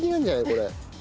これ。